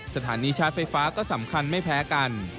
สถานีชาร์จไฟฟ้าก็สำคัญไม่แพ้กัน